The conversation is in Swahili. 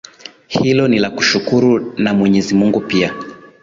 hilo ni la kushukuru na mwenyezi mungu pia